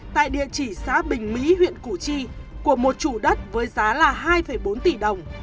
tại địa chỉ xã bình mỹ huyện củ chi của một chủ đất với giá là hai bốn tỷ đồng